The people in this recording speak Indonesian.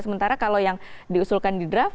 sementara kalau yang diusulkan di draft